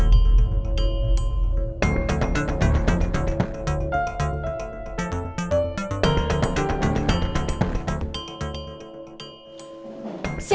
kamu tuh yang gak tau diri